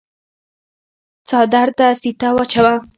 څادر ته فيته واچوه۔